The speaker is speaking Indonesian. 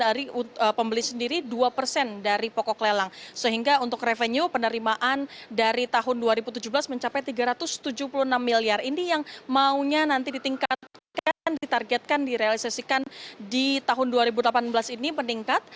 dari pembeli sendiri dua persen dari pokok lelang sehingga untuk revenue penerimaan dari tahun dua ribu tujuh belas mencapai tiga ratus tujuh puluh enam miliar ini yang maunya nanti ditingkatkan ditargetkan direalisasikan di tahun dua ribu delapan belas ini meningkat